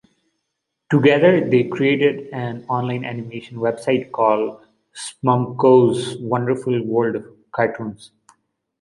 Together, they created an online animation website called "Spumco's Wonderful World of Cartoons".